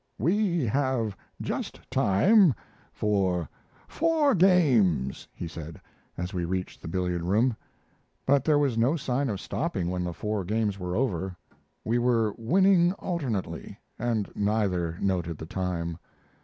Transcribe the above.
"We have just time for four games," he said, as we reached the billiard room; but there was no sign of stopping when the four games were over. We were winning alternately, and neither noted the time.